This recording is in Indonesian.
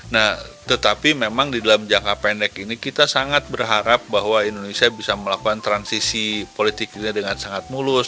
nah tetapi memang di dalam jangka pendek ini kita sangat berharap bahwa indonesia bisa melakukan transisi politiknya dengan sangat mulus